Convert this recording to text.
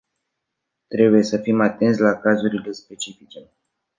Trebuie să fim atenți la cazurile specifice.